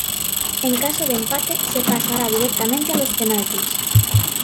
En caso de empate, se pasará directamente a los penalties.